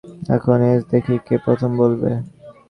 এখন এস দেখি, কে প্রথম বলবে?